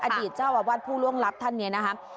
อดีตเจ้าอาวัดผู้ร่วงลับท่านอย่างงี้นะคะ